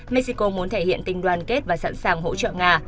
mexico muốn thể hiện tình đoàn kết và sẵn sàng hỗ trợ nga